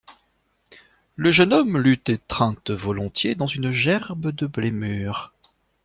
Le jeune homme l'eût étreinte volontiers dans une gerbe de blé mûr.